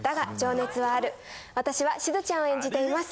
私はしずちゃんを演じています。